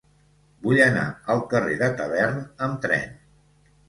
Vull anar al carrer de Tavern amb tren.